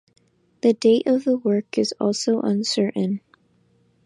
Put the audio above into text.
The date of the work is also uncertain.